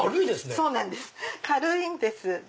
そうなんです軽いんです。